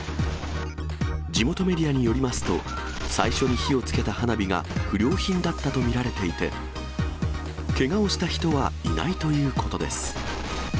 地元メディアによりますと、最初に火をつけた花火が不良品だったと見られていて、けがをした人はいないということです。